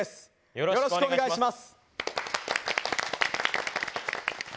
よろしくお願いします。